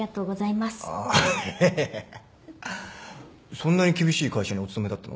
そんなに厳しい会社にお勤めだったの？